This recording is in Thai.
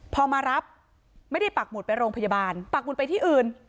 พอมารับไม่ได้ปักหมุดไปโรงพยาบาลปักหมุดไปที่อื่น